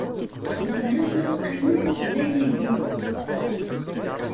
Tzemremt ad teqqimemt da yid-i.